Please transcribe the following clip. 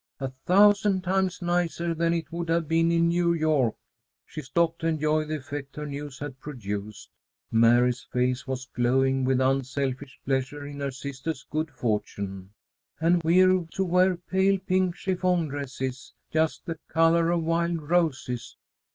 A thousand times nicer than it would have been in New York." She stopped to enjoy the effect her news had produced. Mary's face was glowing with unselfish pleasure in her sister's good fortune. "And we're to wear pale pink chiffon dresses, just the color of wild roses.